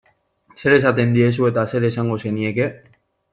Zer esaten diezu eta zer esango zenieke?